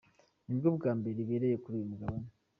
Ni bwo bwa mbere ibereye kuri uyu mugabane.